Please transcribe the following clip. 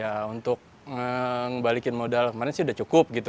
ya untuk ngebalikin modal kemarin sih udah cukup gitu